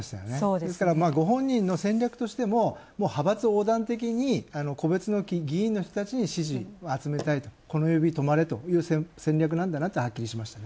ですからご本人の戦略としても派閥横断的に個別の議員の人たちの支持を集めたい、この指とまれという戦略なんだなとはっきりしましたね。